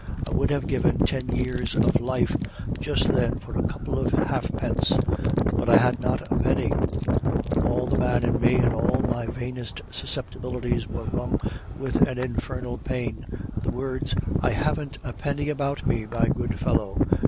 I would have given ten years of life just then for a couple of halfpence, but I had not a penny. All the man in me and all my vainest susceptibilities were wrung with an infernal pain. The words, 'I haven't a penny about me, my good fellow!